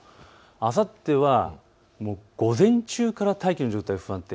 あさっては午前中から大気の状態、不安定。